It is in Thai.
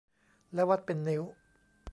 และวัดเป็นนิ้ว